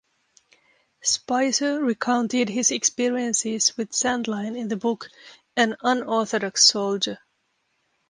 Spicer recounted his experiences with Sandline in the book "An Unorthodox Soldier".